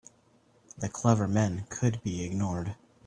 The clever men could be ignored.